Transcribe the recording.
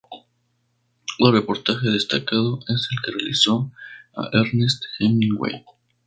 Otro reportaje destacado es el que realizó a Ernest Hemingway.